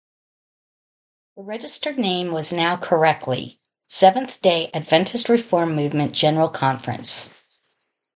The registered name was now correctly, Seventh Day Adventist Reform Movement General Conference.